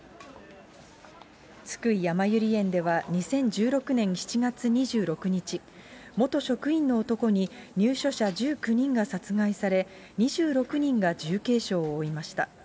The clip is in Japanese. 津久井やまゆり園では、２０１６年７月２６日、元職員の男に入所者１９人が殺害され、２６人が重軽傷を負いました。